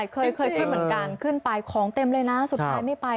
เคยเคยเหมือนกันของเต็มเลยนะสุดท้ายไม่ไป